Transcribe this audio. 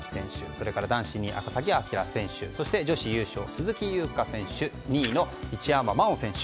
それから、男子２位の赤崎暁選手そして女子優勝の鈴木優花選手と２位、一山麻緒選手